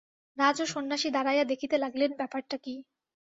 রাজ ও সন্ন্যাসী দাঁড়াইয়া দেখিতে লাগিলেন, ব্যাপারটা কি।